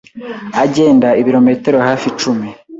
agenda ibiromotero hafi icumi